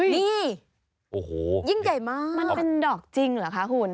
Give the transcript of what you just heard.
นี่โอ้โหยิ่งใหญ่มากมันเป็นดอกจริงเหรอคะคุณ